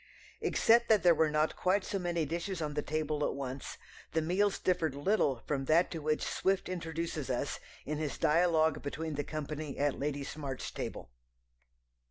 Except that there were not quite so many dishes on the table at once the meals differed little from that to which Swift introduces us in his dialogue between the company at Lady Smart's table.